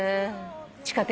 地下鉄。